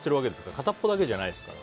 片方だけじゃないですから。